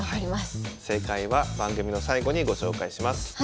正解は番組の最後にご紹介します。